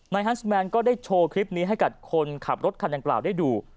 ฮันส์แมนก็ได้โชว์คลิปนี้ให้กับคนขับรถคันดังกล่าวได้ดู